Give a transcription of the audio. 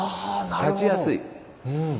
立ちやすい。